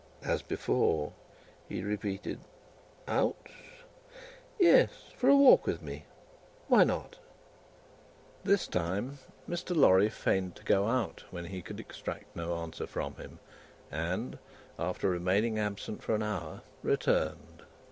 As before, he repeated, "Out?" "Yes; for a walk with me. Why not?" This time, Mr. Lorry feigned to go out when he could extract no answer from him, and, after remaining absent for an hour, returned.